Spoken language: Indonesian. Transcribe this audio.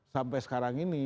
sampai sekarang ini